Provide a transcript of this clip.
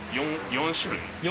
４種類？